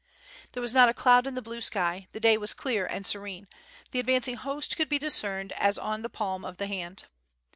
There was not a cloud in the blue sky, the day was clear and serene, the advancing host could be discerned as an the palm of the hand.